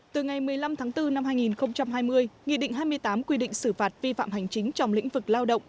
từ ngày một mươi năm tháng bốn năm hai nghìn hai mươi nghị định hai mươi tám quy định xử phạt vi phạm hành chính trong lĩnh vực lao động